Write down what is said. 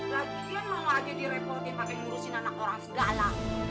lagi lagi mau aja direpoti pake ngurusin anak orang segala